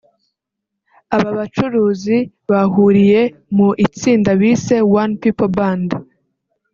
Aba bacuranzi bahuriye mu itsinda bise "One People Band"